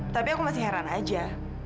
tapi aku masih heran aja